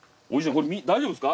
これ大丈夫ですか？